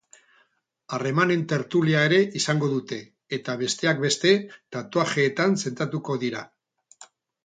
Harremanen tertulia ere izango dute, eta besteak beste, tatuajeetan zentratuko dira.